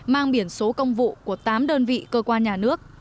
mang biển số công vụ của tám đơn vị cơ quan nhà nước